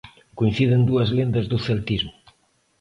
Coinciden dúas lendas do celtismo.